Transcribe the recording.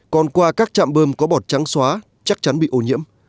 còn qua các trạm bơm có bọt trắng xóa chắc chắn bị ô nhiễm